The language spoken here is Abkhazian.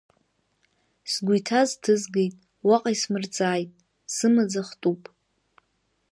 Сгәы иҭаз ҭызгеит, уаҟа исмырҵааит, сымаӡа хтуп!